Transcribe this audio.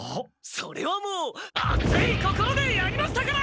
それはもう熱い心でやりましたから！